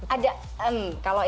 ada emm kalau itu